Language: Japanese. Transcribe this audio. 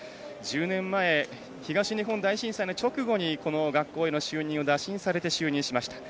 １０年前東日本大震災の直後にこの学校への就任を打診されて就任しました。